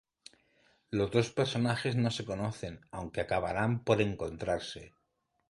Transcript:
Los dos personajes no se conocen, aunque acabarán por encontrarse.